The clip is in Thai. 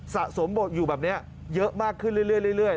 สะสมบทอยู่แบบนี้เยอะมากขึ้นเรื่อย